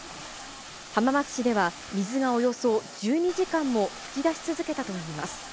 浜松市では水がおよそ１２時間も噴き出し続けたといいます。